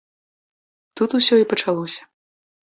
Тут усё і пачалося.